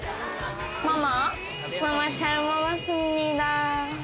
ママ！